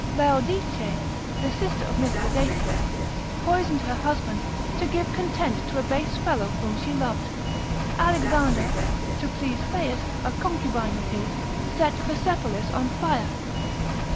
Laodice, the sister of Mithridates, poisoned her husband, to give content to a base fellow whom she loved. Alexander, to please Thais, a concubine of his, set Persepolis on fire.